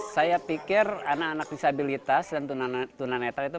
saya pikir anak anak disabilitas dan tunanetra itu